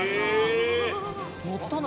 乗ったの？